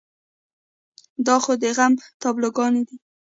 دا خو د غم تابلوګانې دي.